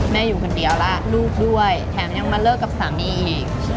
อยู่คนเดียวและลูกด้วยแถมยังมาเลิกกับสามีอีก